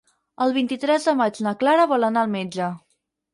El vint-i-tres de maig na Clara vol anar al metge.